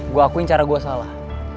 gue akuin cara gue salah